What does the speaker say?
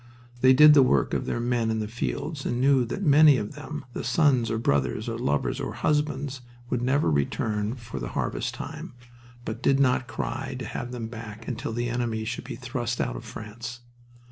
They did the work of their men in the fields, and knew that many of them the sons or brothers or lovers or husbands would never return for the harvest time, but did not cry to have them back until the enemy should be thrust out of France.